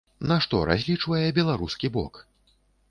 На што разлічвае беларускі бок?